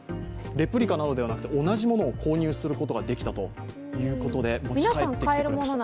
レプリカではなくて同じものを購入することができたということで持ち帰ってきました。